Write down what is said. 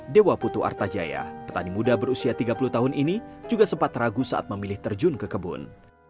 dewa putu artajaya petani muda berusia tiga puluh tahun ini juga sempat ragu saat memilih terjun ke kebun